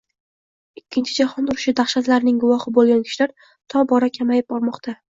Ikkinchi jahon urushi dahshatlarining guvohi bo'lgan kishilar tobora kamayib bormoqda